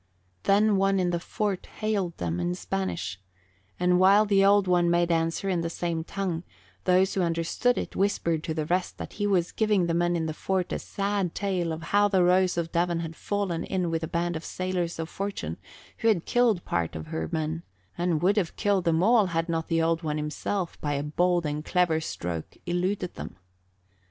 Then one in the fort hailed them in Spanish, and while the Old One made answer in the same tongue, those who understood it whispered to the rest that he was giving the men in the fort a sad tale of how the Rose of Devon had fallen in with a band of sailors of fortune who had killed part of her men and would have killed them all had not the Old One himself by a bold and clever stroke eluded them.